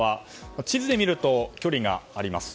地図で見ると距離があります。